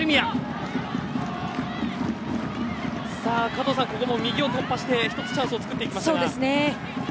加藤さん、ここも右を突破してチャンスを作っていきましたが。